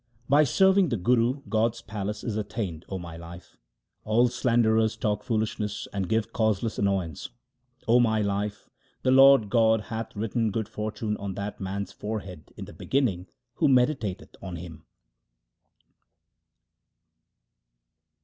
By serving the Guru God's palace is attained, O my life ; all slanderers talk foolishness and give causeless annoyance. 0 my life, the Lord God hath written good fortune on that man's forehead in the beginning who meditateth on Him.